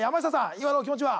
今のお気持ちは？